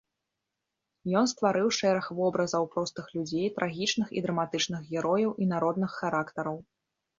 Ён стварыў шэраг вобразаў простых людзей, трагічных і драматычных герояў і народных характараў.